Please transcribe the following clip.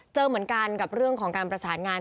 เจอเหมือนกันกับเรื่องของการประสานงาน